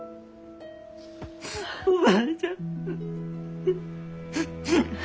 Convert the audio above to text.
おばあちゃん。